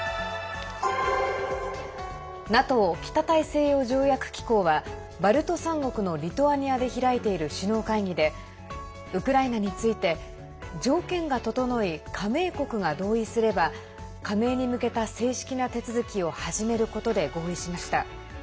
ＮＡＴＯ＝北大西洋条約機構はバルト３国のリトアニアで開いている首脳会議でウクライナについて条件が整い加盟国が同意すれば加盟に向けた正式な手続きを始めることで合意しました。